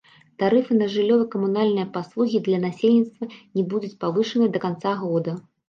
Тарыфы на жыллёва-камунальныя паслугі для насельніцтва не будуць павышаныя да канца года.